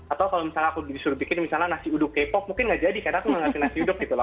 atau kalau misalnya aku disuruh bikin misalnya nasi uduk k pop mungkin nggak jadi karena aku nggak ngasih nasi uduk gitu loh